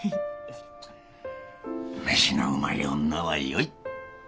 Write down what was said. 飯のうまい女はよい